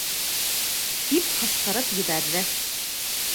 -тип ҡысҡырып ебәрҙе.